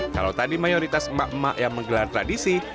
kalau tadi mayoritas emak emak yang menggelar tradisi